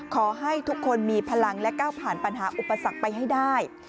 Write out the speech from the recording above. ขอให้ทุกคนมีพลังและก้าวผ่านปัญหาอุปสรรคไปให้ได้